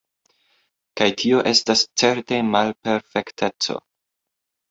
Kaj tio estas certe malperfekteco.